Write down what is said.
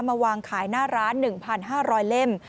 มาวางขายหน้าร้าน๑๕๐๐เล่ม